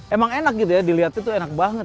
emang enak gitu ya diliatnya tuh enak banget